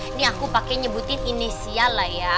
ini aku pakai nyebutin inisial lah ya